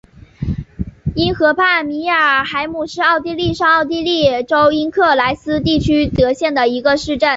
因河畔米尔海姆是奥地利上奥地利州因克赖斯地区里德县的一个市镇。